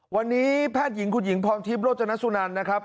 วันนี้แพทย์หญิงคุณหญิงพรทิพย์โรจนสุนันนะครับ